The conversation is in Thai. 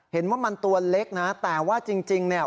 เห็นว่ามันตัวเล็กนะแต่ว่าจริงเนี่ย